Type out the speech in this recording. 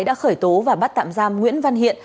đã khởi tố và bắt tạm giam nguyễn văn hiện